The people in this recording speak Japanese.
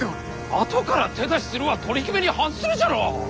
あとから手出しするは取り決めに反するじゃろう！